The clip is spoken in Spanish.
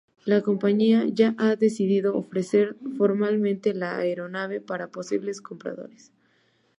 La compañía ya ha decidido ofrecer formalmente la aeronave para posibles compradores.